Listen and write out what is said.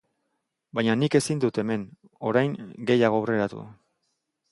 Baina nik ezin dut hemen, orain, gehiago aurreratu.